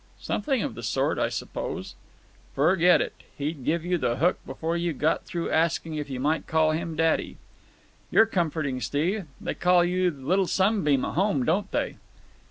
"Something of the sort, I suppose." "Forget it! He'd give you the hook before you'd got through asking if you might call him daddy." "You're comforting, Steve. They call you Little Sunbeam at home, don't they?"